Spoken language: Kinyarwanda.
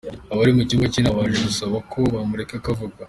Abari mu cyumba cy’inama baje gusaba ko bamureka akavuga.